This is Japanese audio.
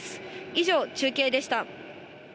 以上、中継でした。